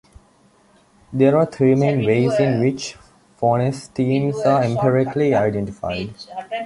There are three main ways in which phonesthemes are empirically identified.